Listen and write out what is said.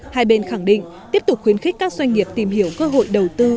hai bên khẳng định tiếp tục khuyến khích các doanh nghiệp tìm hiểu cơ hội đầu tư